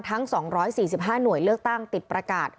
ทั้ง๒๔๕หน่วยเลือกตั้งติดประกาศ